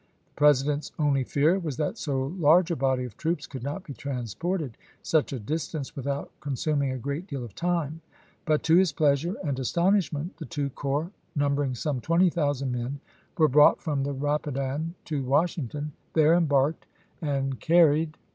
The President's only fear was that so large a body of troops could not be transported such a distance without con suming a great deal of time ; but to his pleasure and astonishment the two corps, numbering some twenty thousand men, were brought from the Eap idan to Washington, there embarked, and carried GKKEKAL ALEXANDEK M' D.